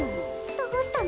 どうしたの？